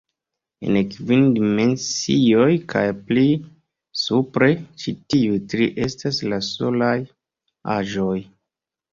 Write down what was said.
En kvin dimensioj kaj pli supre, ĉi tiuj tri estas la solaj aĵoj.